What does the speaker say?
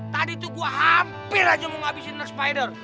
tadi tuh gue hampir aja mau ngabisin nur spider